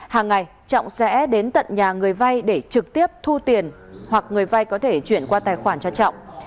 hàng ngày trọng sẽ đến tận nhà người vay để trực tiếp thu tiền hoặc người vay có thể chuyển qua tài khoản cho trọng